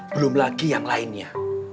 belum lagi yang lainnya